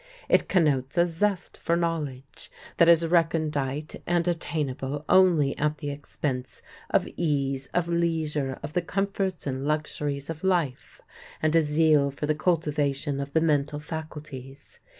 It connotes a zest for knowledge that is recondite and attainable only at the expense of ease, of leisure, of the comforts and luxuries of life, and a zeal for the cultivation of the mental faculties.